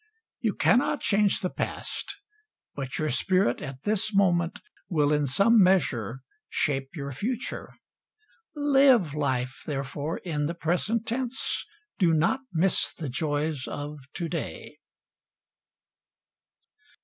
You cannot change the past, but your spirit at this moment will in some measure shape your future. Live life, therefore, in the present tense; do not miss the joys of to day.